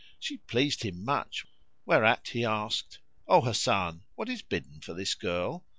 She pleased him much whereat he asked, "O Hasan, what is bidden for this girl?"